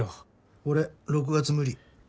俺６月無理。